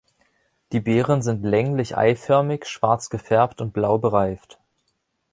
Die Beeren sind länglich-eiförmig, schwarz gefärbt und blau bereift.